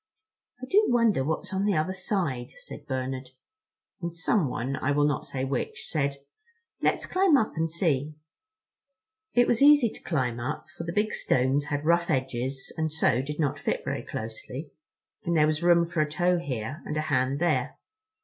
"I do wonder what's on the other side," said Bernard; and someone, I will not say which, said: "Let's climb up and see." It was easy to climb up, for the big stones had rough edges and so did not fit very closely, and there was room for a toe here and a hand there.